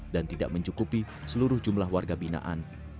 dan tidak mencukupi seluruh jumlah warga binaan